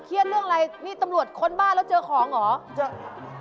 เรื่องอะไรนี่ตำรวจค้นบ้านแล้วเจอของเหรอ